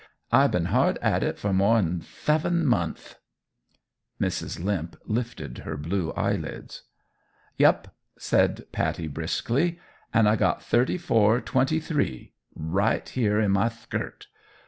"I been hard at it for more 'n theven monthth." Mrs. Limp lifted her blue eyelids. "Yep," said Pattie, briskly; "an' I got thirty four twenty three right here in my thkirt.